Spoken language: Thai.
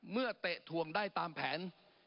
เมื่อเตะถวงได้ตามแผน